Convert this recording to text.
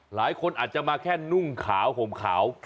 หลายคนอาจจะมาแค่นุ่งขาวห่มขาว